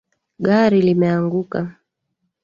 Gari limeanguka